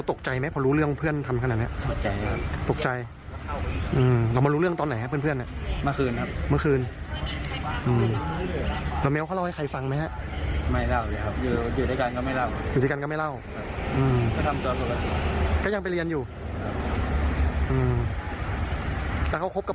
แต่เขาคบกับปอล์มากี่ปีแล้วครับ